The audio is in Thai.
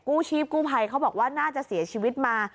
ชีพกู้ภัยเขาบอกว่าน่าจะเสียชีวิตมา